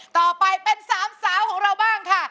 ต่อไปเป็นสามสาวของเราบ้างค่ะ